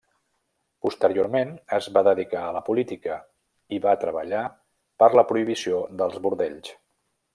Posteriorment es va dedicar a la política i va treballar per la prohibició dels bordells.